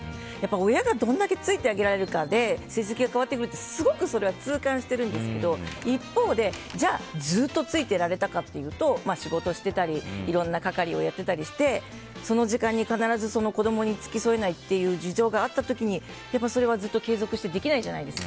親がどれだけついてあげられるかで成績が変わってくるって痛感してるんですけど一方で、じゃあずっとついていられたかというと仕事をしてたりいろんな係をやってたりしてその時間に必ず子供に付き添えないという事情があった時にやっぱりそれは継続してできないじゃないですか。